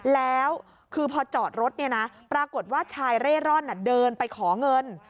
แล้วคือพอจอดรถเนี่ยนะปรากฏว่าชายเร่ร่อนเดินไปขอเงิน